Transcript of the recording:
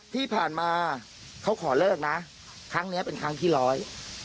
ที่ผ่านมาเขาขอเลิกนะครั้งเนี้ยเป็นครั้งที่ร้อย